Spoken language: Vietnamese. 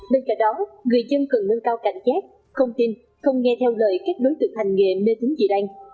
bên cạnh đó người dân cần nâng cao cảnh giác không tin không nghe theo lời các đối tượng hành nghề mê tính dị đoan